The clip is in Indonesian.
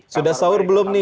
sudah sahur belum nih